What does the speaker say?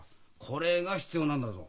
これが必要なんだぞ。